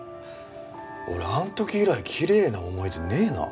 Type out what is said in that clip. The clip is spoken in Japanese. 俺あんとき以来きれいな思い出ねぇな。